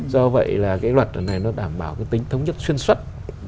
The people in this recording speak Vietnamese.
do vậy là cái luật này nó đảm bảo cái tính thống nhất xuyên suốt